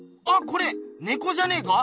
これねこじゃねえか？